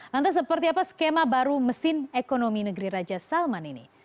lantas seperti apa skema baru mesin ekonomi negeri raja salman ini